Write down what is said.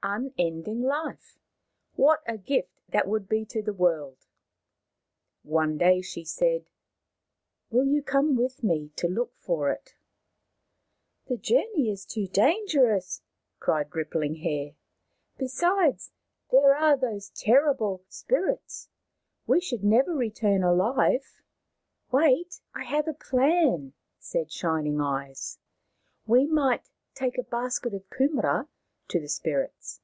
Unending Life ! What a gift that would be to the world !" One day she said, 11 Will you come with me to look for it ?"" The journey is too dangerous/' cried Rippling Hair. " Besides, there are those terrible spirits I We should never return alive." 49 50 Maoriland Fairy Tales Wait ! I have a plan," said Shining Eyes. We might take a basket of kumaras to the spirits.